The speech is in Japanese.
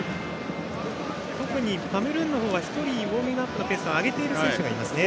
特にカメルーンは１人ウォーミングアップのペースを上げている選手がいますね。